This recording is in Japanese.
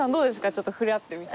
ちょっと触れ合ってみて。